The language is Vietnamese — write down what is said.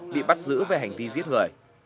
bị bắt giữ về hành vi giết người